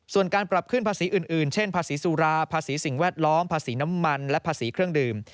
ส่วนการปรับขึ้นภาษีอื่นเช่นภาษีสุราภาษีสิ่งแวดล้อมภาษีน้ำมันและภาษีเครื่องดื่ม